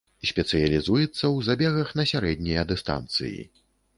Спецыялізуецца ў забегах на сярэднія дыстанцыі.